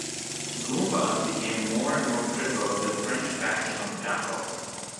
Goumba became more and more critical of the French backing of Dacko.